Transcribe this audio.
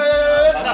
masak dulu siapa siapa